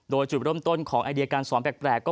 โดยจุดล้มต้นของไอเดียการสอนแบก